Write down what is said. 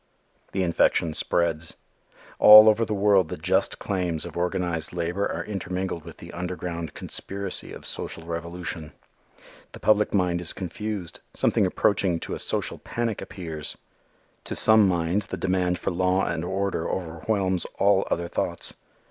The infection spreads. All over the world the just claims of organized labor are intermingled with the underground conspiracy of social revolution. The public mind is confused. Something approaching to a social panic appears. To some minds the demand for law and order overwhelms all other thoughts.